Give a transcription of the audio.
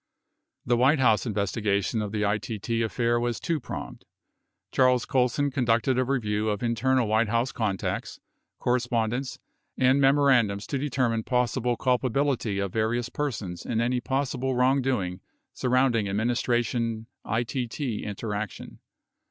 The White House investigation of the ITT affair was two pronged. Charles Colson conducted a review of internal White House contacts, correspondence, and memorandums to determine possible culpability of various persons in any possible wrongdoing surrounding adminis tration — ITT interaction.